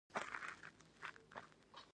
ما ورته وویل، یا راته ووایه.